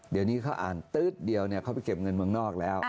เดี๋ยวนี้เขาอ่านตื๊ดเดียวเขาไปเก็บเงินเมืองนอกแล้ว